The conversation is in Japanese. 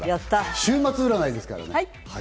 週末占いですから。